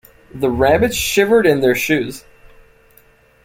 The rabbits shivered in their shoes.